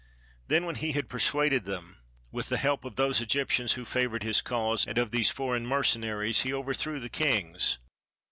Then when he had persuaded them, with the help of those Egyptians who favoured his cause and of these foreign mercenaries he overthrew the kings.